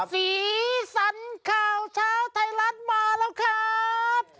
สีสันข่าวเช้าไทยรัฐมาแล้วครับ